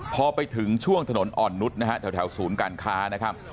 พอไปถึงช่วงถนนอ่อนนุษย์นะฮะแถวศูนย์การค้านะครับ